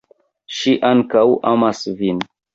Ŝi ankaŭ amas vin.